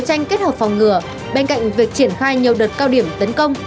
tranh kết hợp phòng ngừa bên cạnh việc triển khai nhiều đợt cao điểm tấn công